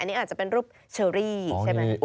อันนี้อาจจะเป็นรูปเชอรี่ใช่ไหม